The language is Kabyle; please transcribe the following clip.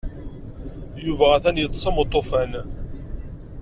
Yuba atan yeṭṭes am uṭufan.